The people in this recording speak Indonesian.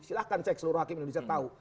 silahkan cek seluruh hakim indonesia tahu